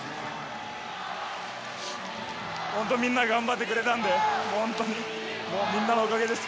本当、みんな頑張ってくれたんで、本当に、もうみんなのおかげです。